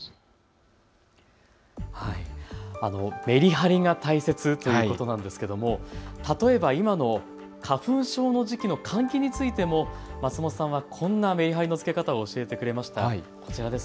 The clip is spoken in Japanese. めりはりが大切ということなんですけれども、例えば今の花粉症の時期の換気についても松本さんはこんなめりはりのつけ方を教えてくれました。